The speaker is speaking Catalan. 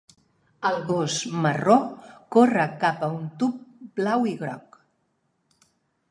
El gos marró corre cap a un tub blau i groc.